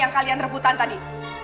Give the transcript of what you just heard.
yang kalian rebutan tadi